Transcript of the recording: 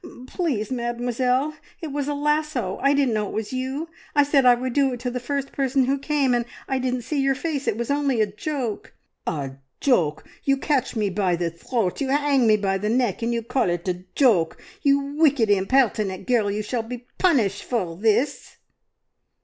"P please, Mademoiselle, it was a lasso! I didn't know it was you. I said I would do it to the first person who came, and I didn't see your face. It was only a joke." "A joke! You catch me by the throat, you 'ang me by the neck, and you call it a joke! You wicked, impertinent girl, you shall be punished for this!"